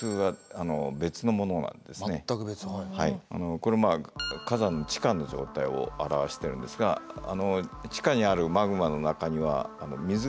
これまあ火山の地下の状態を表してるんですが地下にあるマグマの中には水が含まれてるんですね。